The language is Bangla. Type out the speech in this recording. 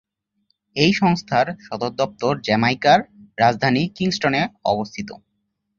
এই সংস্থার সদর দপ্তর জ্যামাইকার রাজধানী কিংস্টনে অবস্থিত।